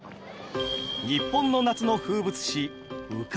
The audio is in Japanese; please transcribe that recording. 日本の夏の風物詩鵜飼漁。